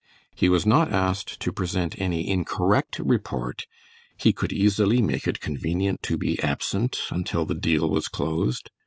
He was not asked to present any incorrect report; he could easily make it convenient to be absent until the deal was closed.